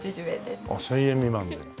あっ１０００円未満で。